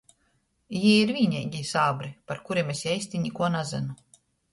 Jī ir vīneigī sābri, par kurim es eisti nikuo nazynu...